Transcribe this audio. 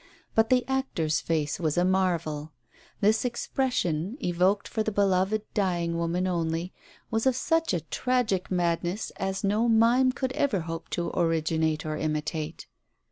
But the actor's face was a marvel. This expression, evoked for the beloved dying woman only, was of such a tragic madness as no mime could ever hope to originate or imitate.